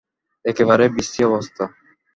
একেবারেই বিশ্রী অবস্থা।